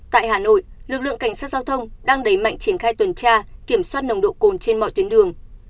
tại hà nội lực lượng cảnh sát giao thông đang đẩy mạnh triển khai tuần tra kiểm soát nồng độ cồn trên mọi tuyến đường